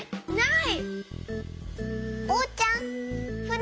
ない！